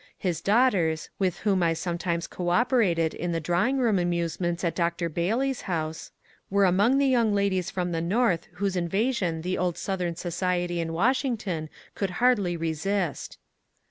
His daughters — with whom I sometimes cooperated in the drawing room amusements at Dr. Bailey's house — were among the young ladies from the North whose invasion the old Southern society in Washington could hardly resist.